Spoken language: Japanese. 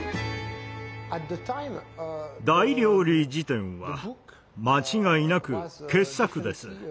「大料理事典」は間違いなく傑作です。